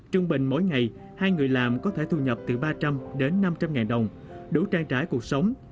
trung bình mỗi ngày hai người làm có thể thu nhập từ ba trăm linh đến năm trăm linh ngàn đồng đủ trang trải cuộc sống